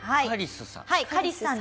カリスさん？